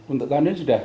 untuk tahun ini sudah